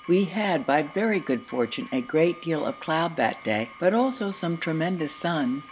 We had by very good fortune a great deal of cloud that day, but also some tremendous sun.